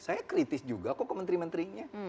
saya kritis juga kok ke menteri menterinya